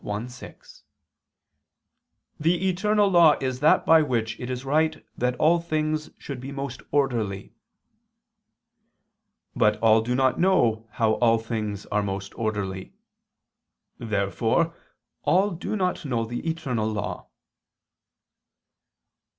Arb. i, 6) "the eternal law is that by which it is right that all things should be most orderly." But all do not know how all things are most orderly. Therefore all do not know the eternal law.